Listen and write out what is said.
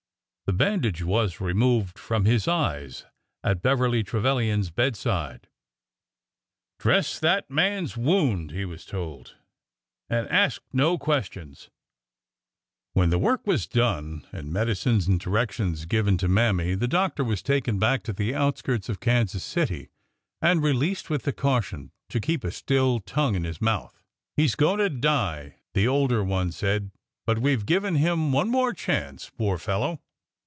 The bandage was removed from his eyes at Beverly Trevilian's bedside. " Dress that man's wound," he was told, " and ask no questions." THE HEIR COMES TO HIS OWN 317 When the work was done and medicines and directions given to Mammy, the doctor was taken back to the out skirts of Kansas City and released with the caution to keep a still tongue in his mouth. He 's going to die,'^ the older one said ; but we Ve given him one more chance, poor fellow